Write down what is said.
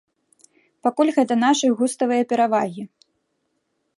Пакуль гэта нашы густавыя перавагі.